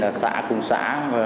ở xã cùng xã